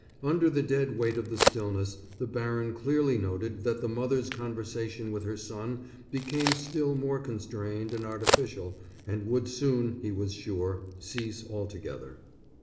Under the dead weight of the stillness, the baron clearly noted that the mother's conversation with her son became still more constrained and artificial and would soon, he was sure, cease altogether.